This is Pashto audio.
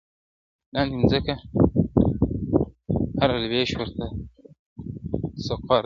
لاندي مځکه هره لوېشت ورته سقر دی٫